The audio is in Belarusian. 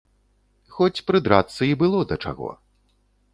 Хоць прыдрацца і было да чаго.